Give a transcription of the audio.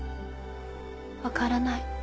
分からない。